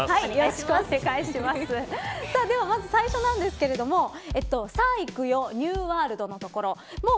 まず最初ですがさあ、いくよニューワールドのところ。